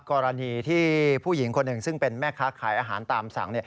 กรณีที่ผู้หญิงคนหนึ่งซึ่งเป็นแม่ค้าขายอาหารตามสั่ง